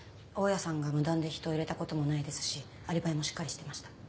大家さんが無断で人を入れたこともないですしアリバイもしっかりしてました。